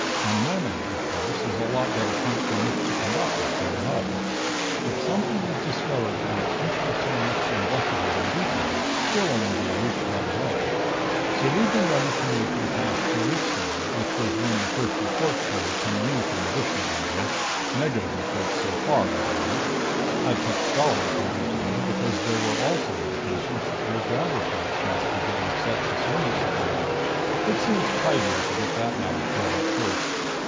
And Manon, of course, is a lot better point from which to conduct it than the Hub. If something is discovered that looks interesting enough to investigate in detail, we'll only be a week's run away. "So we've been ready to move for the past two weeks now, which was when the first reports started coming in from the Vishni area negative reports so far, by the way. I've kept stalling from day to day, because there were also indications that your grabber friends might be getting set to swing at you finally. It seemed tidier to get that matter cleared up first.